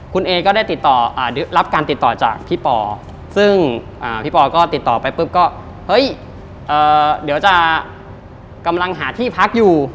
คุณเอก็ได้รับการติดต่อจากพี่ปอซึ่งพี่ปอก็ติดต่อไปปุ๊บก็เฮ้ยเดี๋ยวจะกำลังหาที่พักอยู่